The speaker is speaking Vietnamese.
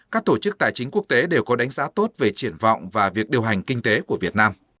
các tổ chức tài chính quốc tế đều có đánh giá tốt về triển vọng và việc điều hành kinh tế của việt nam